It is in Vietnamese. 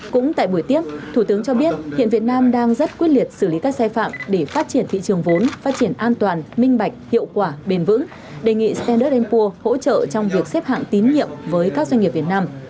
cũng tại buổi tiếp thủ tướng cho biết hiện việt nam đang rất quyết liệt xử lý các sai phạm để phát triển thị trường vốn phát triển an toàn minh bạch hiệu quả bền vững đề nghị standart enpur hỗ trợ trong việc xếp hạng tín nhiệm với các doanh nghiệp việt nam